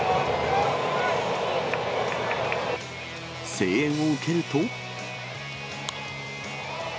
声援を受けると。